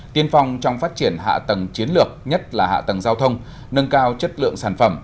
tiên phong trong phát triển hạ tầng chiến lược nhất là hạ tầng giao thông nâng cao chất lượng sản phẩm